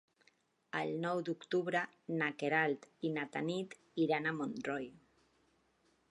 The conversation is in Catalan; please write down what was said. El nou d'octubre na Queralt i na Tanit iran a Montroi.